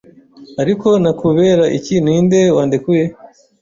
Ariko na Kubera iki Ninde wandekuye